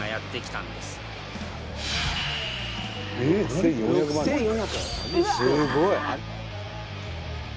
すごい！